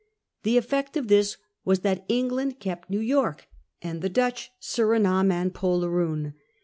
The effect of this was that England kept New York, and the Dutch Surinam and Poleroon.